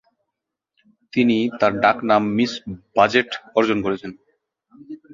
তিনি তার ডাক নাম "মিস বাজেট" অর্জন করেছেন।